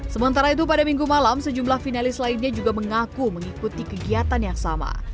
sementara itu pada minggu malam sejumlah finalis lainnya juga mengaku mengikuti kegiatan yang sama